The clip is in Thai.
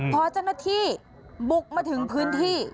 พอเจ้าหน้าที่บุกมาถึงพื้นที่